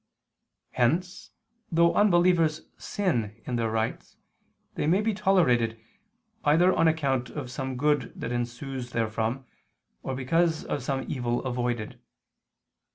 Hence, though unbelievers sin in their rites, they may be tolerated, either on account of some good that ensues therefrom, or because of some evil avoided.